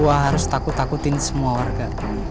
wah harus takut takutin semua warga